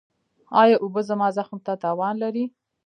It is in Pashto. ایا اوبه زما زخم ته تاوان لري؟